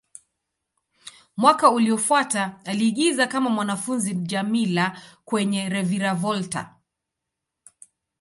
Mwaka uliofuata, aliigiza kama mwanafunzi Djamila kwenye "Reviravolta".